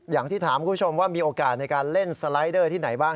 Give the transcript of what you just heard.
อย่างที่ถามคุณผู้ชมว่ามีโอกาสในการเล่นสไลดเดอร์ที่ไหนบ้าง